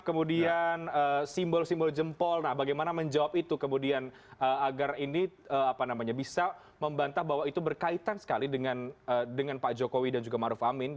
kalau kemudian tadi bang jokowi